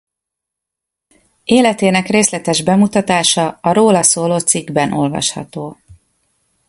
Életének részletes bemutatása a róla szóló cikkben olvasható.